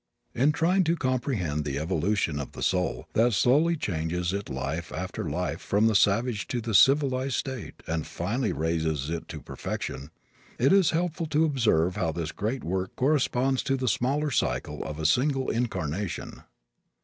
In trying to comprehend the evolution of the soul, that slowly changes it life after life from the savage to the civilized state and finally raises it to perfection, it is helpful to observe how this great work corresponds to the smaller cycle of a single incarnation.